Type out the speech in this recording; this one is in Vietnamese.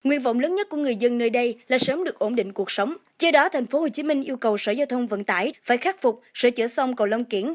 yêu cầu sở giao thông vận tải phải khắc phục sửa chữa xong cầu long kiển